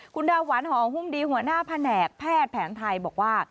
คุณดาหวันหอหุ้มดีหัวหน้าแผนกแพทย์แผนไทยบอกว่า